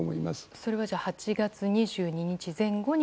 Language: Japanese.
それは８月２２日前後に